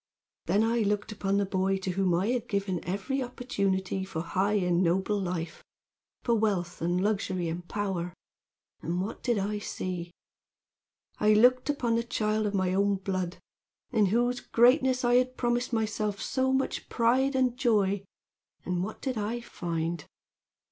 "Then I looked upon the boy to whom I had given every opportunity for high and noble life, for wealth and luxury and power, and what did I see? I looked upon the child of my own blood, in whose greatness I had promised myself so much pride and joy, and what did I find?